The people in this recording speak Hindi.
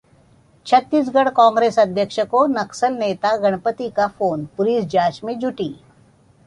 छत्तीसगढ़ कांग्रेस अध्यक्ष को नक्सल नेता गणपति का फोन, पुलिस जांच में जुटी